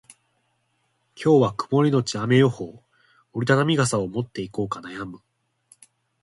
今日は曇りのち雨予報。折り畳み傘を持っていこうか悩む。